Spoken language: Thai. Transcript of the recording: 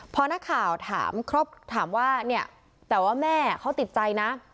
พอนักข่าวถามถามว่าเนี่ยแต่ว่าแม่เขาติดใจนะ